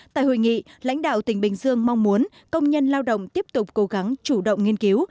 tại hội nghị lãnh đạo tỉnh bình dương mong muốn công nhân lao động tiếp tục cố gắng chủ động nghiên cứu